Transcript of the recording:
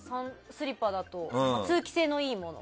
スリッパだと通気性のいいもの。